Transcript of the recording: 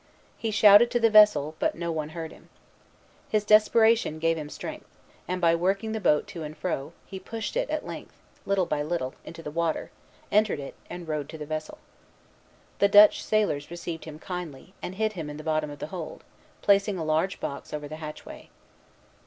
He shouted to the vessel, but no one heard him. His desperation gave him strength; and, by working the boat to and fro, he pushed it at length, little by little, into the water, entered it, and rowed to the vessel. The Dutch sailors received him kindly, and hid him in the bottom of the hold, placing a large box over the hatchway.